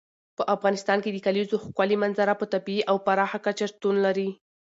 په افغانستان کې د کلیزو ښکلې منظره په طبیعي او پراخه کچه شتون لري.